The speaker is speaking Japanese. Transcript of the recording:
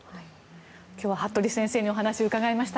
今日は服部先生にお話を伺いました。